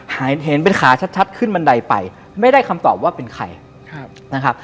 เห็นเป็นขาชัดขึ้นบันไดไปไม่ได้คำตอบว่าเป็นใครนะครับ